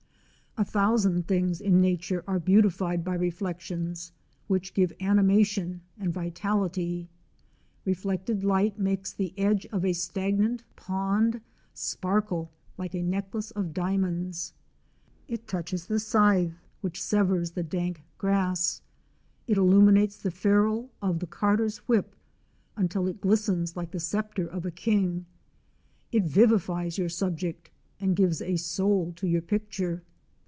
A thousand things in Nature are beautified by reflections, which give animation and vitality. Reflected light makes the edge of a stagnant pond sparkle like a necklace of diamonds. It touches the scythe which severs the dank grass; it illuminates the ferrule of the carter's whip until it glistens like the sceptre of a king; it vivifies your subject, and gives a soul to your picture.